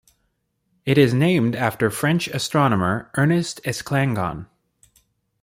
It is named after French astronomer Ernest Esclangon.